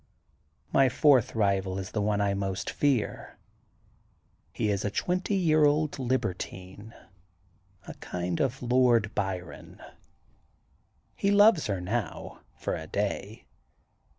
My fourth rival is the one I most fear. He is a twenty year old libertine, a kind of a Lord Byron. He loves her now, for a day.